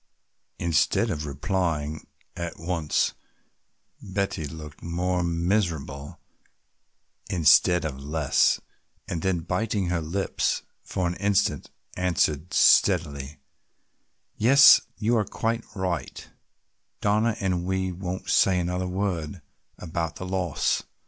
Instead of replying at once Betty looked more miserable instead of less, and then biting her lips for an instant answered steadily: "Yes, you are quite right, Donna, and we won't say another word about the loss.